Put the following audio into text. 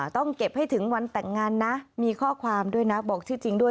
ต้องเก็บให้ถึงวันแต่งงานนะมีข้อความด้วยนะบอกชื่อจริงด้วย